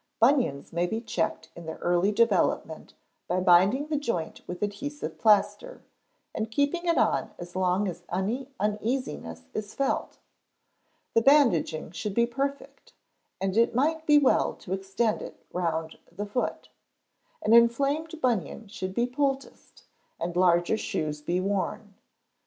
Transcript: Bunions may be checked in their early development by binding the joint with adhesive plaster, and keeping it on as long as any uneasiness is felt. The bandaging should be perfect, and it might be well to extend it round the foot. An inflamed bunion should be poulticed, and larger shoes be worn.